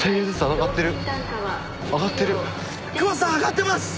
上がってます。